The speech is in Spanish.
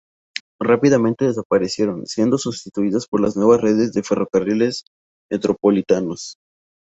Rápidamente desaparecieron, siendo sustituidas por las nuevas redes de ferrocarriles metropolitanos.